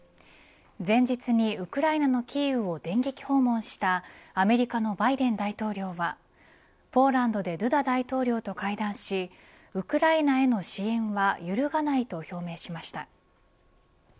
前日にウクライナのキーウを電撃訪問したアメリカのバイデン大統領はポーランドでドゥダ大統領と会談しウクライナへの支援は揺るがないと表明しました。